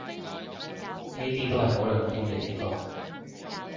呢啲都係好撚癲嘅地方